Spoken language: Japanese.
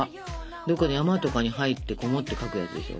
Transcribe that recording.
どっかの山とかに入ってこもって描くやつでしょ？